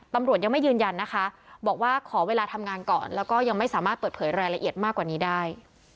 ตำรวจยังไม่ยืนยันนะคะบอกว่าขอเวลาทำงานก่อนแล้วก็ยังไม่สามารถเปิดเผยรายละเอียดมากกว่านี้ได้